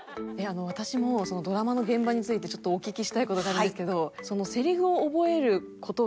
私もドラマの現場についてお聞きしたい事があるんですけど。